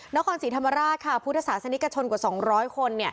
นครศรีธรรมราชค่ะพุทธศาสนิกชนกว่า๒๐๐คน